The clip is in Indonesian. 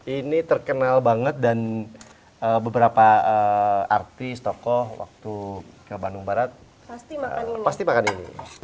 ini terkenal banget dan beberapa artis tokoh waktu ke bandung barat pasti makan ini